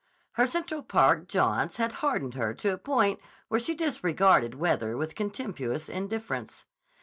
Her Central Park jaunts had hardened her to a point where she disregarded weather with contemptuous indifference.